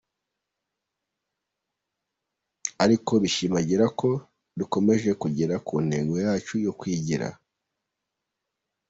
Aribyo bishimangira ko dukomeje kugera ku ntego yacu yo kwigira.